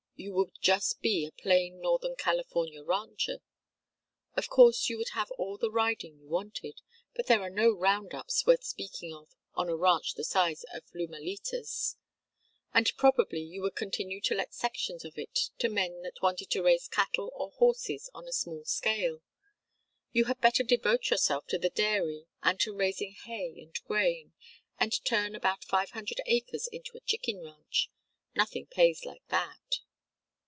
You would just be a plain northern California rancher. Of course you would have all the riding you wanted, but there are no round ups worth speaking of on a ranch the size of Lumalitas. And probably you would continue to let sections of it to men that wanted to raise cattle or horses on a small scale. You had better devote yourself to the dairy and to raising hay and grain, and turn about five hundred acres into a chicken ranch nothing pays like that."